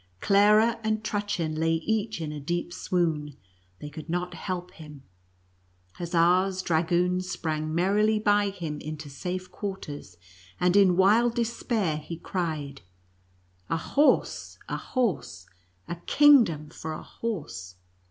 Clara and Trutchen lay each in a deep swoon, — they could not help him — hussars, dragoons sprang merrily by him into safe quarters, and in wild despair, he cried, " A horse — a horse — a kingdom for a horse